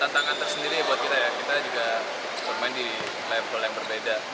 tantangan tersendiri buat kita ya kita juga bermain di level yang berbeda